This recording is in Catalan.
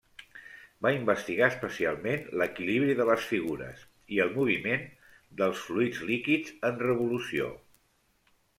Va investigar especialment l'equilibri de les figures i el moviment dels fluids líquids en revolució.